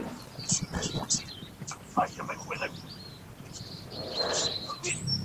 毛蕊三角车为堇菜科三角车属下的一个种。